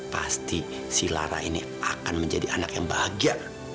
pasti si lara ini akan menjadi anak yang bahagia